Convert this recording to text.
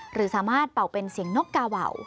หรือสามารถเป่าเป็นเสียงนกกาวาว